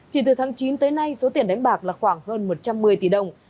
chỉ từ tháng chín tới nay số tiền đánh bạc là khoảng hơn một trăm một mươi tỷ đồng